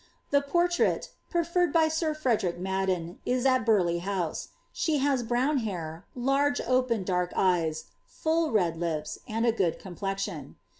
The portrait, preferred by sir Frederick Madden, m at Burleigh House. She has brown hair, large, open, dark eyes, full red lips, and a good complexion.